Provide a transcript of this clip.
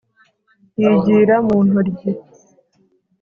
yigira mu ntoryi,